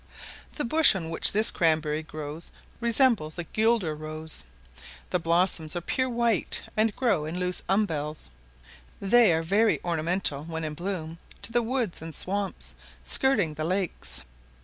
The bush on which this cranberry grows resembles the guelder rose. The blossoms are pure white, and grow in loose umbels; they are very ornamental, when in bloom, to the woods and swamps, skirting the lakes.